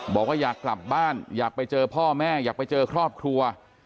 บอกว่าอยากกลับบ้านอยากไปเจอพ่อแม่อยากไปเจอครอบครัว